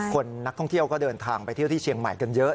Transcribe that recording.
คนนักท่องเที่ยวก็เดินทางไปเที่ยวที่เชียงใหม่กันเยอะ